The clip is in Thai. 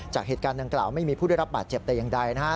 จากเหตุการณ์ดังกล่าวไม่มีผู้ได้รับบาดเจ็บแต่อย่างใดนะฮะ